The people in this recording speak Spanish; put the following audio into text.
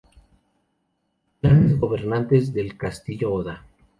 Clanes gobernantes del Castillo Oda